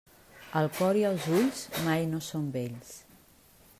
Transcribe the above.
El cor i els ulls mai no són vells.